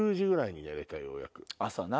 朝な！